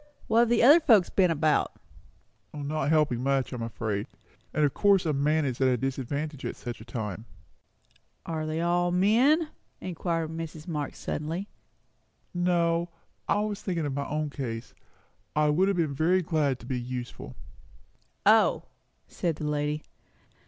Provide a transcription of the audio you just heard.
"What have the other folks been about?" "Not helping much, I am afraid. And of course a man is at a disadvantage at such a time." "Are they all men?" inquired Mrs. Marx suddenly. "No I was thinking of my own case. I would have been very glad to be useful." "O!" said the lady.